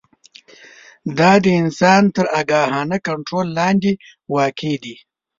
دا د انسان تر آګاهانه کنټرول لاندې واقع دي.